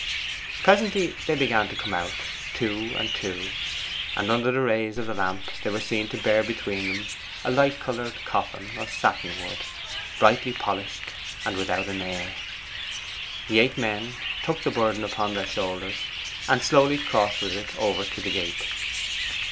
Presently they began to come out, two and two; and under the rays of the lamp they were seen to bear between them a light coloured coffin of satin wood, brightly polished, and without a nail. The eight men took the burden upon their shoulders, and slowly crossed with it over to the gate.